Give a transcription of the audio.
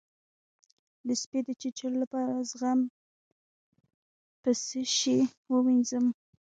د سپي د چیچلو لپاره زخم په څه شی ووینځم؟